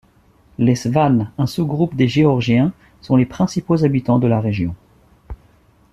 Les Svanes, un sous-groupe des Géorgiens, sont les principaux habitants de la région.